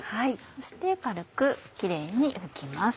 そして軽くキレイに拭きます。